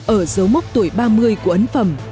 ở dấu mốc tuổi ba mươi của ấn phẩm